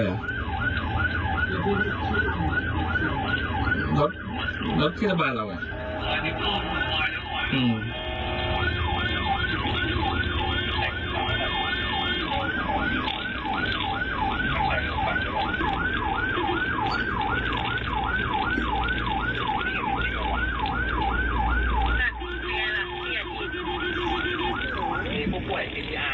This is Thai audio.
แล้วที่ระบายเราอย่างไร